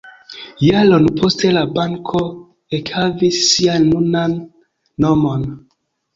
Jaron poste la banko ekhavis sian nunan nomon.